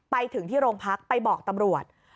ไปถึงที่โรงพักไปบอกตำรวจ